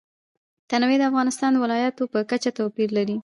تنوع د افغانستان د ولایاتو په کچه توپیر لري.